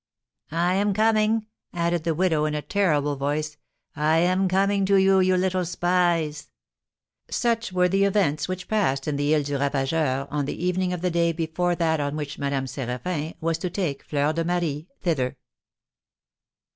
"I am coming," added the widow, in a terrible voice; "I am coming to you, you little spies!" Such were the events which passed in the Isle du Ravageur on the evening of the day before that on which Madame Séraphin was to take Fleur de Marie thither.